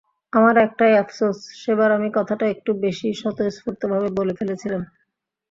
আমার একটাই আফসোস, সেবার আমি কথাটা একটু বেশিই স্বতঃস্ফূর্তভাবে বলে ফেলেছিলাম।